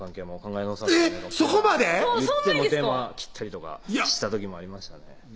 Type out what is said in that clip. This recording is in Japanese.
えっそこまで⁉言って電話切ったりとかした時もありましたね